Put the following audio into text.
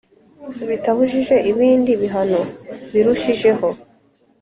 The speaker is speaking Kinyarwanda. bitabujije ibindi bihano birushijeho